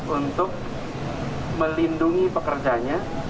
untuk melindungi pekerjanya